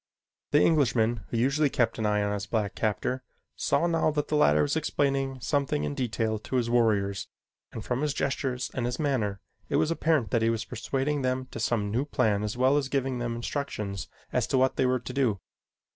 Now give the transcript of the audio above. The Englishman, who usually kept an eye upon his black captor, saw now that the latter was explaining something in detail to his warriors, and from his gestures and his manner it was apparent that he was persuading them to some new plan as well as giving them instructions as to what they were to do.